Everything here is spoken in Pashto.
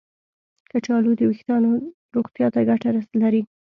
کچالو د ویښتانو روغتیا ته ګټه لري.